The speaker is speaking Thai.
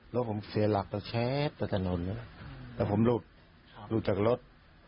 รถผมเสียหลักตะแช๊บตะถนนนะแต่ผมหลุดหลุดจากรถ